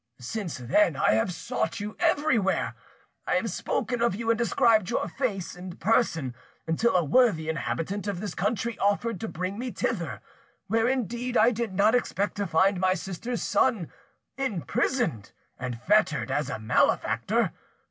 Since then I have sought you everywhere; I have spoken of you, and described your face and person, until a worthy inhabitant of this country offered to bring me hither, where indeed I did not expect to find my sister's son imprisoned and fettered as a malefactor.